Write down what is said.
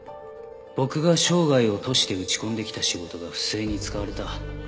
「僕が生涯を賭して打ち込んで来た仕事が不正に使われた」